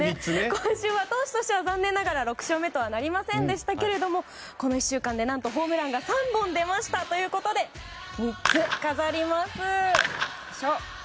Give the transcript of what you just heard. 今週は投手としては残念ながら６勝目とはなりませんでしたがこの１週間で何とホームランが３本出ました！ということで３つ飾ります。